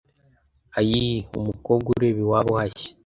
Ayiii !!!!-Umukobwa ureba iwabo hashya.